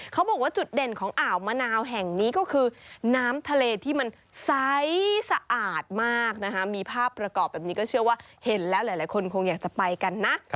เขาบอกว่าจุดเด่นของอ่าวมะนาวแห่งนี้ก็คือน้ำทะเลที่มันใสสะอาดมากนะคะมีภาพประกอบแบบนี้ก็เชื่อว่าเห็นแล้วหลายคนคงอยากจะไปกันนะ